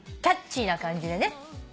キャッチーな感じでね。